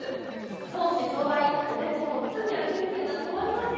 相思相愛、おでここつんにはキュンキュンが止まりません。